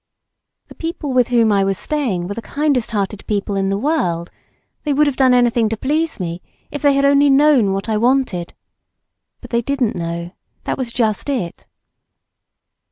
The people with whom I was staying were the kindest hearted people in the world; they would have done anything to please me if they had only known what I wanted, but they didn't know, that was just it.